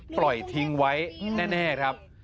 ปล่อยทิ้งไว้แน่ครับ